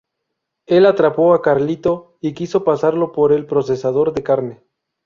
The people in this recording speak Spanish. Él atrapó a Carlito y quiso pasarlo por el procesador de carne.